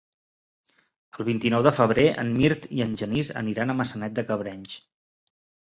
El vint-i-nou de febrer en Mirt i en Genís aniran a Maçanet de Cabrenys.